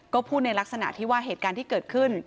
ก็พูดในลักษณะที่ว่าเหตุการณ์ที่เกิดขึ้น